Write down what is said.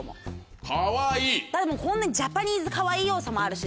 だってジャパニーズかわいい要素もあるし